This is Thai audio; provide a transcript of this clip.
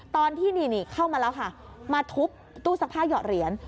ตอนที่นี่เข้ามาแล้วค่ะมาทุบตู้ซักผ้าหยอดเหรียญ